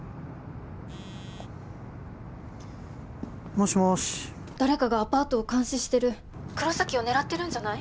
もしもし誰かがアパートを監視してる☎黒崎を狙ってるんじゃない？